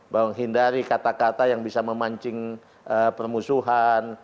bahwa menghindari kata kata yang bisa memancing permusuhan